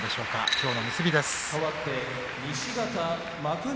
きょうの結びです。